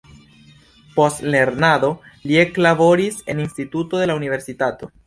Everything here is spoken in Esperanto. Post lernado li eklaboris en instituto de la universitato.